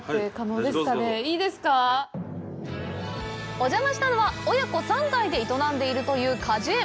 お邪魔したのは、親子３代で営んでいるという果樹園。